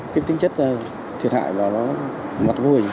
cái tính chất thiệt hại nó mặt vùi